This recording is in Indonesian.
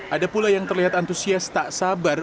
ada pula yang terlihat antusias tak sabar